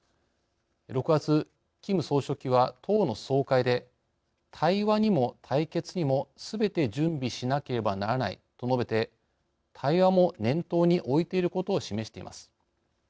６月、キム総書記は党の総会で対話にも対決にもすべて準備しなければならないと述べて対話も念頭に置いていることを示しています。